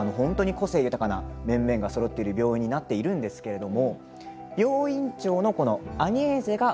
個性豊かな面々がそろっている病院になっているんですけれど奥様です。